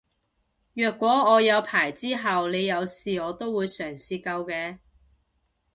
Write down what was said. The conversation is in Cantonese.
若果我有牌之後你有事我會嘗試救嘅